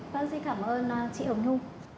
vâng xin cảm ơn chị hồng nhung